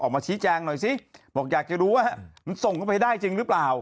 ออกมาชี้แจงหน่อยสิบอกอยากจะรู้ว่ามันส่งเข้าไปได้จริงหรือเปล่า